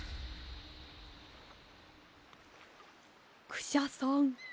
クシャさん。